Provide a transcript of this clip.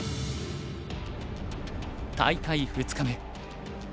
大会２日目。